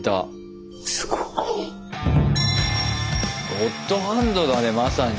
ゴッドハンドだねまさに。